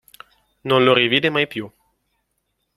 Non lo rivide mai più.